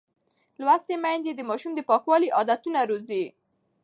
لوستې میندې د ماشوم د پاکوالي عادتونه روزي.